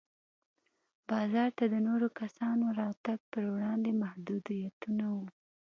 بازار ته د نورو کسانو راتګ پر وړاندې محدودیتونه وو.